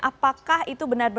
apakah itu benar benar